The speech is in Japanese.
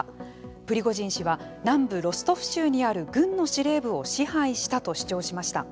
プリゴジン氏は南部ロストフ州にある軍の司令部を支配したと主張しました。